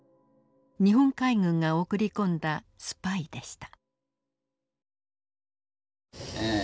日本海軍が送り込んだスパイでした。